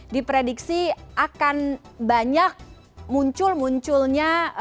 diprediksi akan banyak muncul munculnya